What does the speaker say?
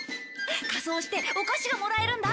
仮装してお菓子がもらえるんだ。